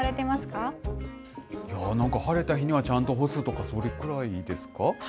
いや、なんか晴れた日にはちゃんと干すとか、それくらいですか。